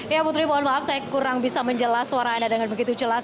ya putri mohon maaf saya kurang bisa menjelas suara anda dengan begitu jelas